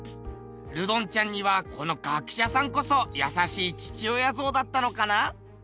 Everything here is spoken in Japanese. ルドンちゃんにはこの学者さんこそ優しい父親像だったのかな？